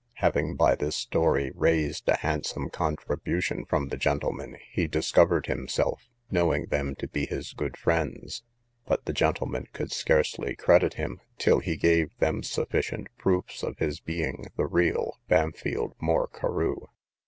Having by this story raised a handsome contribution from the gentlemen, he discovered himself, knowing them to be his good friends; but the gentlemen could scarcely credit him, till he gave them sufficient proofs of his being the real Bampfylde Moore Carew.